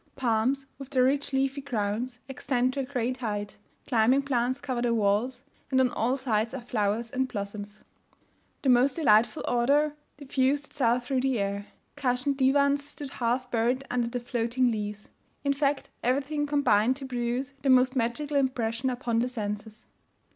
Palms, with their rich leafy crowns, extend to a great height, climbing plants cover the walls, and on all sides are flowers and blossoms. The most delightful odour diffused itself through the air, cushioned divans stood half buried under the floating leaves; in fact, everything combined to produce the most magical impression upon the senses.